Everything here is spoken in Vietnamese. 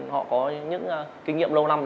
họ có những kinh nghiệm lâu năm